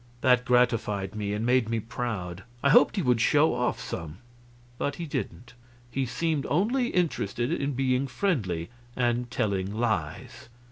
That gratified me, and made me proud. I hoped he would show off some, but he didn't. He seemed only interested in being friendly and telling lies.